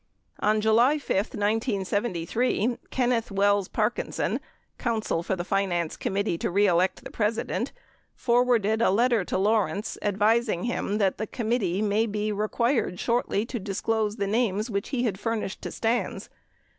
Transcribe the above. On July 5, 1973, Kenneth Wells Parkinson, counsel for the Finance Committee To Re Elect the President, forwarded a letter to Lawrence advising him that the committee may be required shortly to disclose the names which he had furnished to Stans.